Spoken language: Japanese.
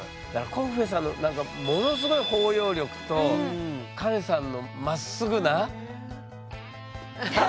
コッフェさんのものすごい包容力とカネさんのまっすぐな。